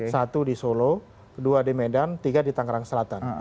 satu di solo dua di medan tiga di tangerang selatan